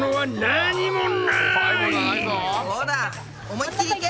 思いっきりいけ！